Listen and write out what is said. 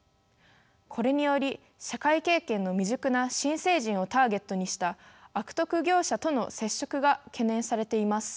これにより社会経験の未熟な新成人をターゲットにした悪徳業者との接触が懸念されています。